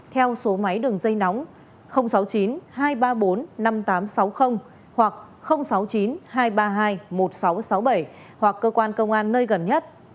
theo số máy đường dây nóng sáu mươi chín hai trăm ba mươi bốn năm nghìn tám trăm sáu mươi hoặc sáu mươi chín hai trăm ba mươi hai một nghìn sáu trăm sáu mươi bảy hoặc cơ quan công an nơi gần nhất